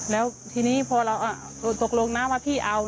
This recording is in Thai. แล้วทีนี้พอเราตกลงนะว่าพี่เอา